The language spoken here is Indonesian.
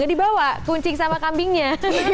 gak dibawa kucing sama kambingnya